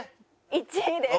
１位です！